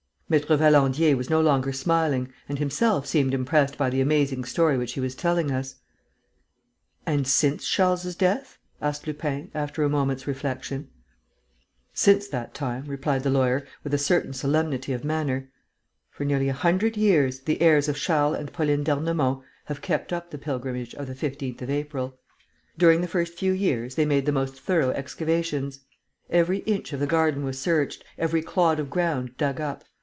Maître Valandier was no longer smiling and himself seemed impressed by the amazing story which he was telling us. "And, since Charles's death?" asked Lupin, after a moment's reflection. "Since that time," replied the lawyer, with a certain solemnity of manner, "for nearly a hundred years, the heirs of Charles and Pauline d'Ernemont have kept up the pilgrimage of the 15th of April. During the first few years they made the most thorough excavations. Every inch of the garden was searched, every clod of ground dug up.